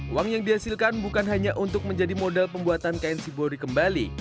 uang yang dihasilkan bukan hanya untuk menjadi modal pembuatan kain si bori kembali